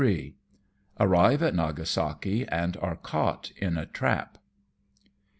AEEIVB AT NAGASAKI AND ARE CAUGHT IN A TRAP.